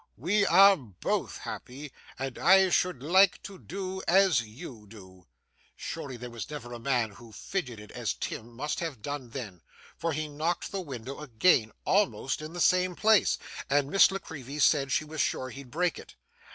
'We are both happy, and I should like to do as you do.' Surely, there never was a man who fidgeted as Tim must have done then; for he knocked the window again almost in the same place and Miss La Creevy said she was sure he'd break it.